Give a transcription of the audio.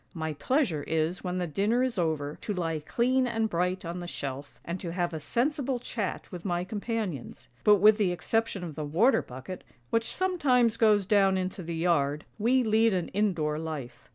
My pleasure is when the dinner is over, to lie clean and bright on thefshelf, and to have a sensible chat with my companions; but with the exception of the water bucket, which sometimes goes down into the yard, we lead an indoor life.